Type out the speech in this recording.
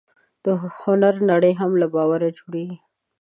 د هنر نړۍ هم له باور جوړېږي.